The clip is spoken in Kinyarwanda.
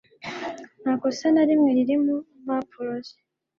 Nta kosa na rimwe riri mu mpapuro ze.